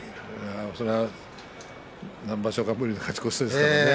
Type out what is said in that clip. それは何場所ぶりかの勝ち越しですからね。